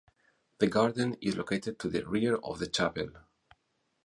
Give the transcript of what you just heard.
The garden is located to the rear of the chapel.